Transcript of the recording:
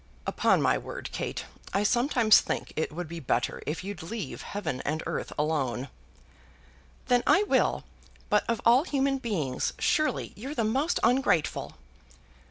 "Upon my word, Kate, I sometimes think it would be better if you'd leave heaven and earth alone." "Then I will. But of all human beings, surely you're the most ungrateful."